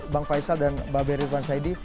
bang faisal dan mbak beri tuan saidi